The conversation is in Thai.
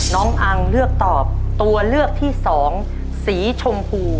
อังเลือกตอบตัวเลือกที่สองสีชมพู